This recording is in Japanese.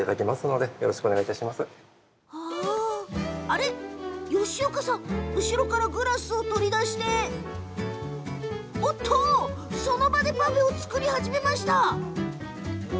あれ、吉岡さん後ろからグラスを取り出してその場でパフェを作り始めました。